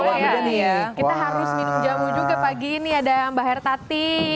iya kita harus minum jamu juga pagi ini ada mbak hertati